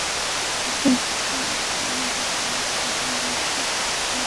তার কয়েক ঘণ্টার মধ্যে তিনি বেতারে নিজ কণ্ঠে বাংলাদেশের স্বাধীনতা ঘোষণা করেন।